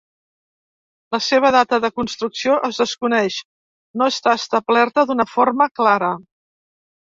La seva data de construcció es desconeix, no està establerta d'una forma clara.